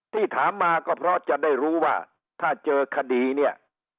ที่ถามมาก็เพราะจะได้รู้ว่าถ้าเจอคดีเนี่ย